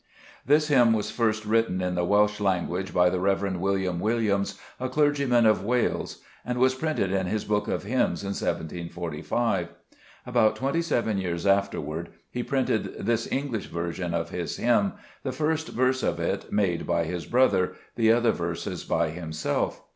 This hymn was first written in the Welsh language by the Rev. William Williams, a clergyman of Wales, and was printed in his Book of Hymns in 1745. About twenty seven years afterward he printed this English version of his hymn, the first verse of it made brother, the other verses by himself.